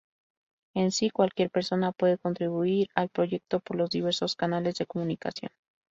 En sí, cualquier persona puede contribuir al proyecto por los diversos canales de comunicación.